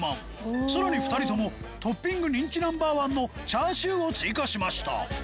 さらに２人ともトッピング人気 Ｎｏ．１ のチャーシューを追加しました